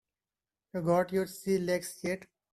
You got your sea legs yet?